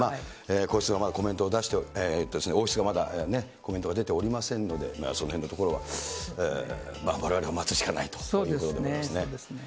皇室がまだ、王室からまだコメントは出ておりませんので、そのへんのところは、われわれは待つしかないということですね。